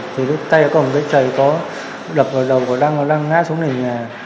thì lúc tay ở cổng cái chày có đập vào đầu của đăng và đăng ngát xuống nền nhà